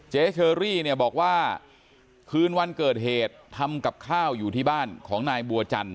เชอรี่เนี่ยบอกว่าคืนวันเกิดเหตุทำกับข้าวอยู่ที่บ้านของนายบัวจันท